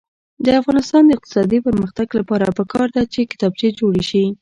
د افغانستان د اقتصادي پرمختګ لپاره پکار ده چې کتابچې جوړې شي.